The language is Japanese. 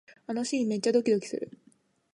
あのシーン、めっちゃドキドキする